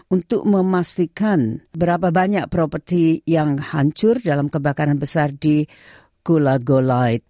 untuk memastikan berapa banyak properti yang hancur dalam kebakaran besar di gola golight